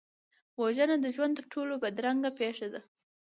وژنه د ژوند تر ټولو بدرنګه پېښه ده